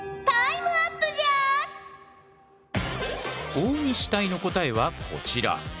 大西隊の答えはこちら。